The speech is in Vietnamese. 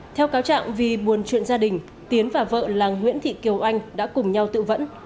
theo cáo trạng vì buồn chuyện gia đình tiến và vợ là nguyễn thị kiều oanh đã cùng nhau tự vẫn